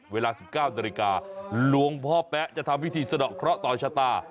เวลา๑๙นาฬิกาหลวงพ่อแป๊ะจะทำพิธีสะดอกเคราะห์ต่อชะตา